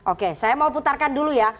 oke saya mau putarkan dulu ya